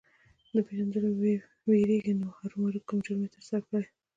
د پېژندلو وېرېږي نو ارومرو کوم جرم یې ترسره کړی.